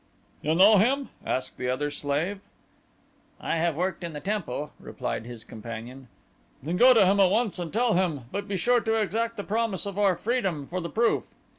"You know him?" asked the other slave. "I have worked in the temple," replied his companion. "Then go to him at once and tell him, but be sure to exact the promise of our freedom for the proof."